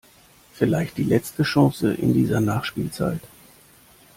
Vielleicht die letzte Chance in dieser Nachspielzeit.